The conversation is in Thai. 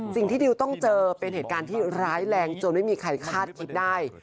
ดิวต้องเจอเป็นเหตุการณ์ที่ร้ายแรงจนไม่มีใครคาดคิดได้